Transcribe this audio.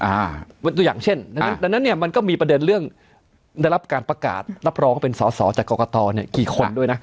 อ่าตัวอย่างเช่นอ่าดังนั้นเนี้ยมันก็มีประเด็นเรื่องในรับการประกาศรับรองเป็นสาวสาวจากกอกกะตอเนี้ยกี่คนด้วยน่ะ